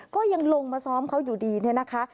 ก็ยังลงมาซ้อมเขาอยู่ดีเนี่ยนะคะ